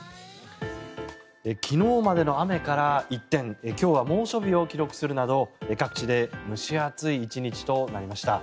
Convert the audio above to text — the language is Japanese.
昨日までの雨から一転今日は猛暑日を記録するなど各地で蒸し暑い１日となりました。